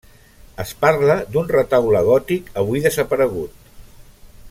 Es parla d'un retaule gòtic, avui desaparegut.